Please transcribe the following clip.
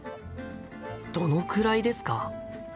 どのくらいですか？